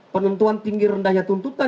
penentuan tinggi rendahnya tuntutan